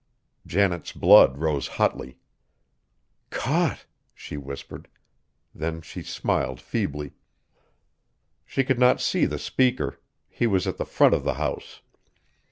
Janet's blood rose hotly. "Caught!" she whispered; then she smiled feebly. She could not see the speaker; he was at the front of the house.